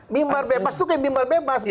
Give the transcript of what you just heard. mimar bebas itu kayak mimar bebas